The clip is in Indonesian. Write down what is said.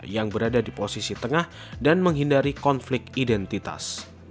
yang berada di posisi tengah dan menghindari konflik identitas